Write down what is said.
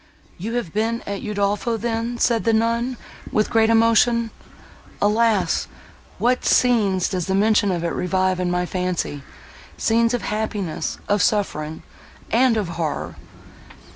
"You have been at Udolpho then!" said the nun, with great emotion. "Alas! what scenes does the mention of it revive in my fancy—scenes of happiness—of suffering—and of horror!"